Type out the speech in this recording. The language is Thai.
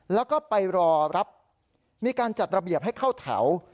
แล้วก็ไปรอรับมีการจัดระเบียบให้เข้าแถว